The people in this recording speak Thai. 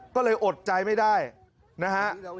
ก็เลยอดใจไม่ได้นะฮะ